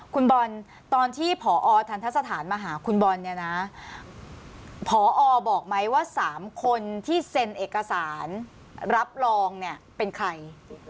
คุณบอลตอนที่ผอทันทะสถานมาหาคุณบอลเนี่ยนะพอบอกไหมว่า๓คนที่เซ็นเอกสารรับรองเนี่ยเป็นใคร